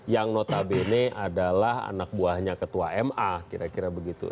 yang notabene adalah anak buahnya ketua ma kira kira begitu